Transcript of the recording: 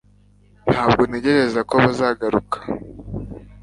ntabwo ntekereza ko bazagaruka